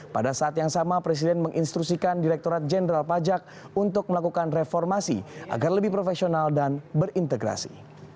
pada saat yang sama presiden menginstruksikan direkturat jenderal pajak untuk melakukan reformasi agar lebih profesional dan berintegrasi